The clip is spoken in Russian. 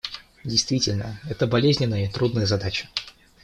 Действительно, это болезненная и трудная задача.